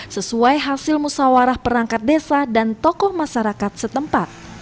sesuai hasil musawarah perangkat desa dan tokoh masyarakat setempat